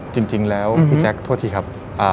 จริงแล้วพี่แจ๊คโทษทีครับ